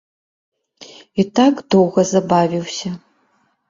І так доўга забавіўся.